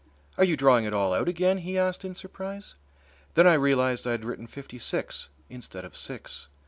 are you drawing it all out again?" he asked in surprise. Then I realized that I had written fifty six instead of six.